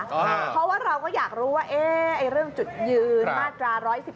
เพราะว่าเราก็อยากรู้ว่าเรื่องจุดยืนมาตรา๑๑๒